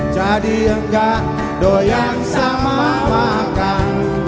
jadi enggak doyang sama wakam